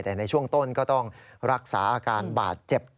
แต่ในช่วงต้นก็ต้องรักษาอาการบาดเจ็บ